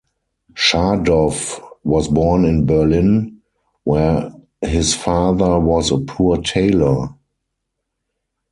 Schadow was born in Berlin, where his father was a poor tailor.